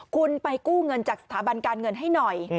คุณไปกู้เงินจากสถาบันการเงินให้หน่อย